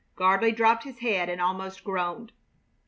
Gardley dropped his head and almost groaned.